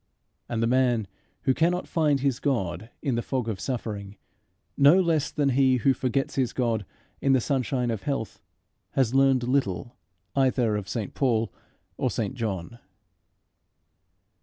And the man who cannot find his God in the fog of suffering, no less than he who forgets his God in the sunshine of health, has learned little either of St Paul or St John.